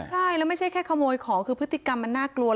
ใช่แล้วไม่ใช่แค่ขโมยของคือพฤติกรรมมันน่ากลัว